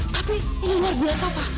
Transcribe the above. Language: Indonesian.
tapi ini luar biasa pak